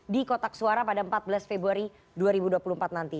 di kotak suara pada empat belas februari dua ribu dua puluh empat nanti